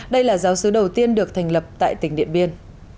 đây là giáo sứ đầu tiên được thành lập tại tỉnh điện biên